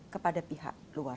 kepada pihak luar